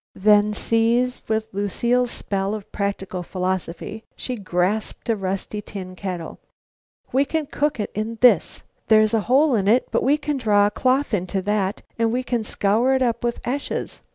Then, seized with Lucile's spell of practical philosophy, she grasped a rusty tin kettle. "We can cook it in this. There's a hole in it, but we can draw a cloth into that, and we can scour it up with ashes."